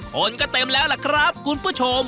คนก็เต็มแล้วล่ะครับคุณผู้ชม